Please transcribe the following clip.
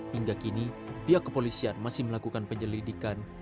hingga kini pihak kepolisian masih melakukan penyelidikan